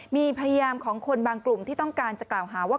มีพยายามของคนบางกลุ่มที่ต้องการจะกล่าวหาว่า